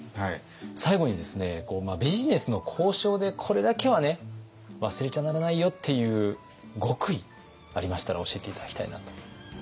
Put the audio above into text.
最後にですねビジネスの交渉でこれだけは忘れちゃならないよっていう極意ありましたら教えて頂きたいなと。